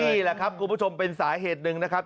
นี่แหละครับคุณผู้ชมเป็นสาเหตุหนึ่งนะครับ